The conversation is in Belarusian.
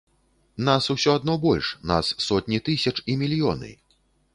Нас усё адно больш, нас сотні тысяч і мільёны.